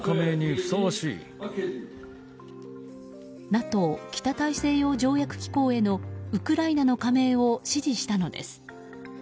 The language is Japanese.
ＮＡＴＯ・北大西洋条約機構へのウクライナの加盟を支持したのです。